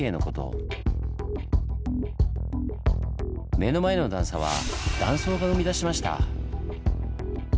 目の前の段差は断層が生み出しました。